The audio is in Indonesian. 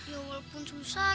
ya walaupun susah